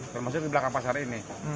termasuk di belakang pasar ini